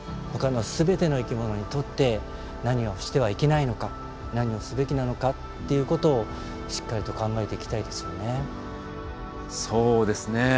ほかの全ての生き物にとって何をしてはいけないのか何をすべきなのかっていうことをしっかりと考えていきたいですよね。